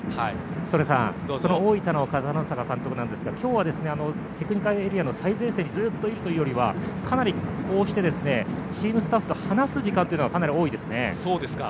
曽根さん、その大分の片野坂監督ですが今日はテクニカルエリアの最前線にずっといるというよりはかなりチームスタッフと話す時間が多いですね。